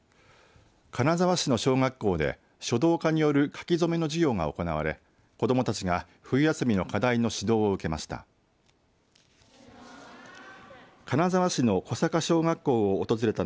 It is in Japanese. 金沢市の小学校で書道家による書き初めの授業が行われ子どもたちが冬休みの課題の指導を受けました。